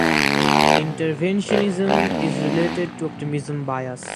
Interventionism is related to optimism bias.